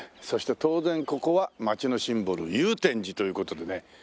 そして当然ここは街のシンボル祐天寺という事でね。